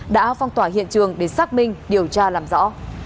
đã phong tỏa hiện trường để xác minh điều tra làm rõ